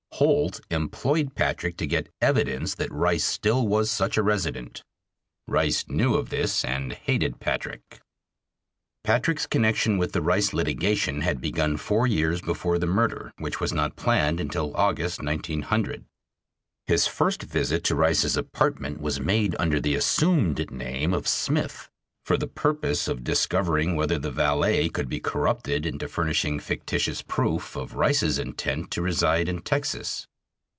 Holt employed Patrick to get evidence that Rice still was such a resident. Rice knew of this and hated Patrick. Patrick's connection with the Rice litigation had begun four years before the murder, which was not planned until August, 1900, His first visit to Rice's apartment was made under the assumed name of Smith for the purpose of discovering whether the valet could be corrupted into furnishing fictitious proof of Rice's intent to reside in Texas.